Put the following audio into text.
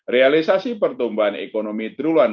realisasi pertumbuhan ekonomi trulan dua dua ribu dua puluh satu